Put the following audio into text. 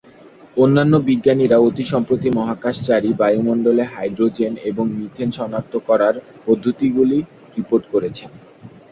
অন্যান্য বিজ্ঞানীরা অতি সম্প্রতি মহাকাশচারী বায়ুমণ্ডলে হাইড্রোজেন এবং মিথেন শনাক্ত করার পদ্ধতিগুলি রিপোর্ট করেছেন।